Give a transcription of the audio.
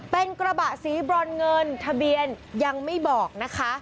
เป็นกระบะสีบรอนเงินทะเบียนยังไม่บอกนะคะ